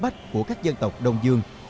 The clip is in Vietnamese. trong hội nghị của các dân tộc đông dương